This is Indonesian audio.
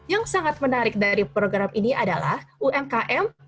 yang sangat menarik dari program ini adalah umkm